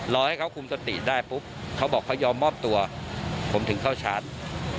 รอให้เขาคุมสติได้ปุ๊บเขาบอกเขายอมมอบตัวผมถึงเข้าชาร์จ